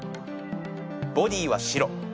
ボディーは白。